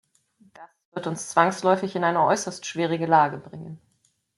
Das wird uns zwangsläufig in eine äußerst schwierige Lage bringen.